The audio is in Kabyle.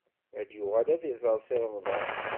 Ad yuɣal ad iẓer Si Remḍan.